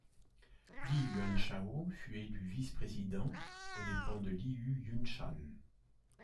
Li Yuanchao fut élu vice-président aux dépens de Liu Yunshan.